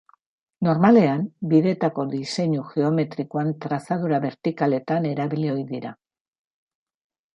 Normalean, bideetako diseinu geometrikoan trazadura bertikaletan erabili ohi dira.